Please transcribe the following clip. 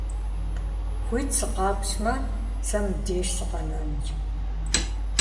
Хуит сыкъэпщӀмэ, сэ мыбдеж сыкъэнэнущ.